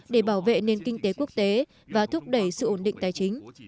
để bảo vệ nền kinh tế quốc tế và thúc đẩy sự ổn định tài chính